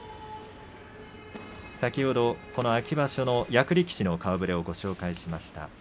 先ほど、この秋場所の役力士の顔ぶれをご紹介しました。